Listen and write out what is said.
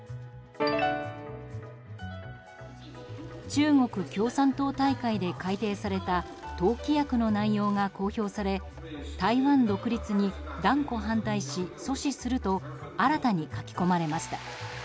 中国共産党大会で改定された党規約の内容が公表され台湾独立に断固反対し阻止すると新たに書き込まれました。